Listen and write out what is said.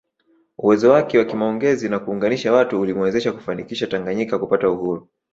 Uwezo wake wa kimaongezi na kuunganisha watu ulimwezesha kufanikisha Tanganyika kupata uhuru